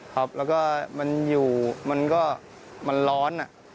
ครับแล้วก็มันอยู่มันก็มันร้อน